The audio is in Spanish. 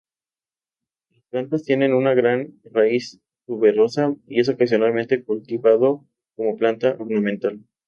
Las plantas tienen una gran raíz tuberosa y es ocasionalmente cultivado como planta ornamental.